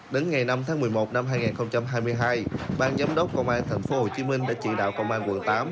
đến ngày năm tháng một mươi một năm hai nghìn hai mươi hai ban giám đốc công an thành phố hồ chí minh đã trị đạo công an quận tám